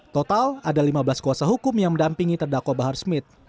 total ada lima belas kuasa hukum yang mendampingi terdakwa bahar smith